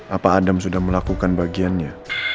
apa adam sudah melakukan bagiannya